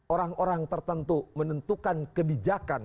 orang orang tertentu menentukan kebijakan